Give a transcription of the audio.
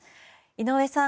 井上さん